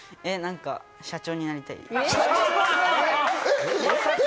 社長になりたい。